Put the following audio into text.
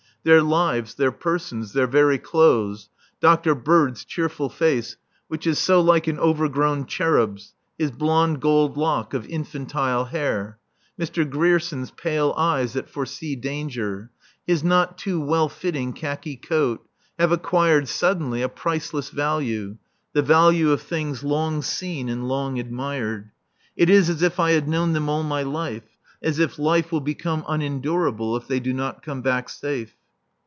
Their lives, their persons, their very clothes Dr. Bird's cheerful face, which is so like an overgrown cherub's, his blond, gold lock of infantile hair, Mr. Grierson's pale eyes that foresee danger, his not too well fitting khaki coat have acquired suddenly a priceless value, the value of things long seen and long admired. It is as if I had known them all my life; as if life will be unendurable if they do not come back safe.